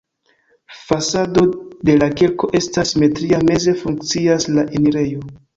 Fasado de la kirko estas simetria, meze funkcias la enirejo.